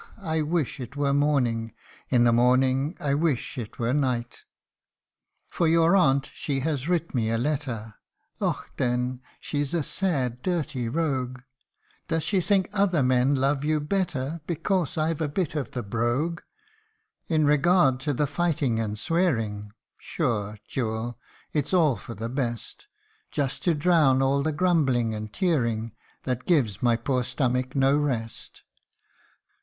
I wish it were morning, In the morning I wish it were night ! For your aunt, she has writ me a letter, (Och, den, she's a sad dirty rogue !) Does she think other men love you better, Becase I've a bit of the brogue ? In regard to the fighting and swearing, Sure, jewel, it's all for the best ; Just to drown all the grumbling and tearing, That gives my poor stomach no rest.